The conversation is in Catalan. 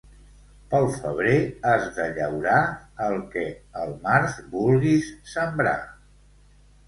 Pel febrer has de llaurar el que el març vulguis sembrar.